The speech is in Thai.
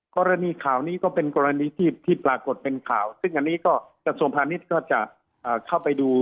กรณีข่าวนี้ก็เป็นกรณีที่ปรากฏเป็นข่าวซึ่งอันนี้ก็กระทรวงพาณิชย์ก็จะเข้าไปดู